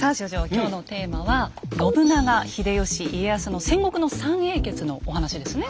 今日のテーマは信長秀吉家康の戦国の三英傑のお話ですね。